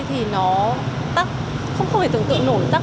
thì mình thấy là hồ phòng này vẫn đầy nhiều mặt